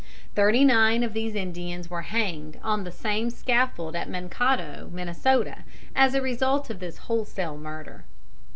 Thirty nine of these Indians were hanged on the same scaffold at Mankato, Minnesota, as a result of this wholesale murder.